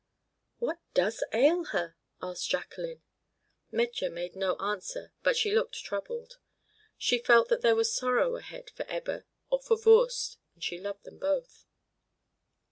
"What does ail her?" asked Jacqueline. Metje made no answer, but she looked troubled. She felt that there was sorrow ahead for Ebba or for Voorst, and she loved them both.